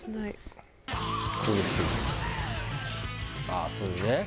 ああそういうね。